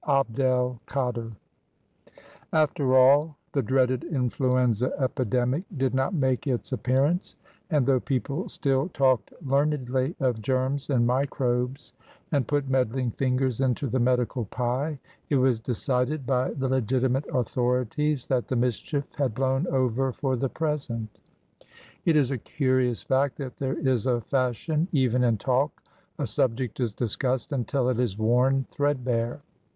Abd el Kader. After all, the dreaded influenza epidemic did not make its appearance, and, though people still talked learnedly of germs and microbes, and put meddling fingers into the medical pie, it was decided by the legitimate authorities that the mischief had blown over for the present. It is a curious fact that there is a fashion even in talk. A subject is discussed until it is worn thread bare.